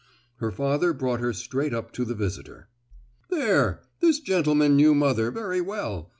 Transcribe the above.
Her father brought her straight up to the visitor. "There—this gentleman knew mother very well.